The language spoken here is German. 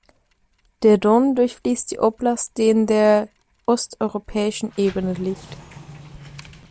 Der Don durchfließt die Oblast, die in der Osteuropäischen Ebene liegt.